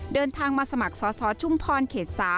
เดินทางมาสมัครสอสอชุมพรเขต๓